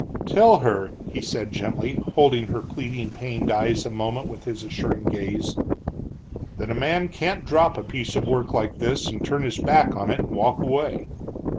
"Tell her," said he gently, holding her pleading, pained eyes a moment with his assuring gaze, "that a man can't drop a piece of work like this and turn his back on it and walk away.